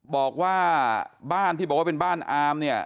บอกว่าบ้านที่บอกว่าเป็นบ้านอามเนี่ย